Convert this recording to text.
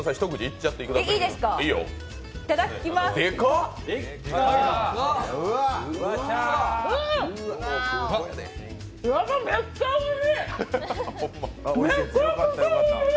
めちゃくちゃおいしい！